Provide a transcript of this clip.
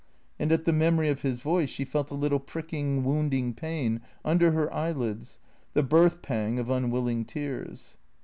And at the memory of his voice she felt a little pricking, wounding pain under her eyelids, the birth pang of unwilling tears.